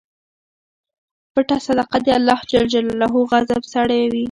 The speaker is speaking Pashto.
پټه صدقه د اللهﷻ غضب سړوي.